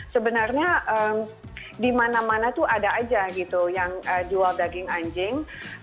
sebenarnya di mana mana tuh ada aja gitu yang jual daging anjing